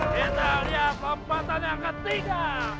kita lihat lompatannya ketiga